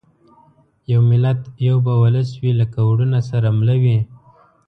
یو ملت یو به اولس وي لکه وروڼه سره مله وي